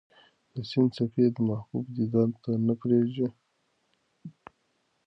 د سیند څپې د محبوب دیدن ته نه پرېږدي.